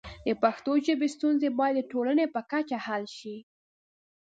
د پښتو ژبې ستونزې باید د ټولنې په کچه حل شي.